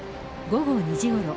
午後２時ごろ。